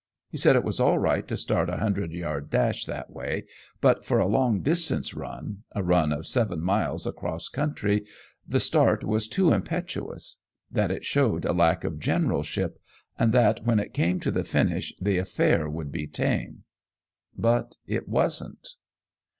He said it was all right to start a hundred yard dash that way, but for a long distance run a run of seven miles across country the start was too impetuous; that it showed a lack of generalship, and that when it came to the finish the affair would be tame; but it wasn't.